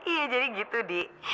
iya jadi gitu di